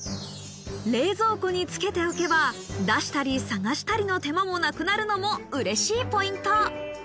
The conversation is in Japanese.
冷蔵庫につけておけば、出したり探したりの手間もなくなるのも嬉しいポイント。